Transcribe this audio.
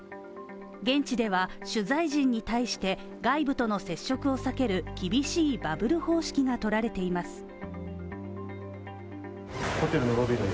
現地では取材陣に対して外部との接触を避ける厳しいバブル方式が取られています。